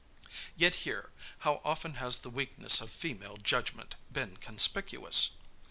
Yet here, how often has the weakness of female judgment been conspicuous!